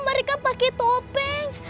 mereka pakai topeng